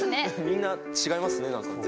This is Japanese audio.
みんな違いますね何か全然。